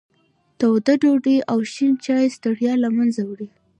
توده ډوډۍ او شین چای ستړیا له منځه وړي.